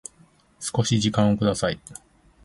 少し時間をください